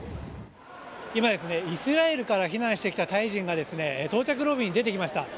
今、イスラエルから避難してきたタイ人が到着ロビーに出てきました。